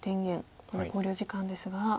ここで考慮時間ですが。